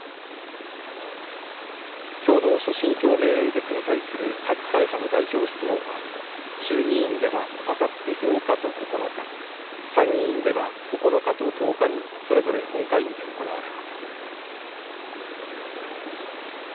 きょうの所信表明演説に対する各会派の代表質問は、衆議院ではあさって８日と９日、参議院では９日と１０日に、それぞれ本会議で行われます。